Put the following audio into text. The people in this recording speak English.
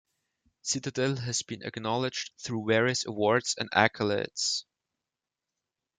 Citadel has been acknowledged through various awards and accolades.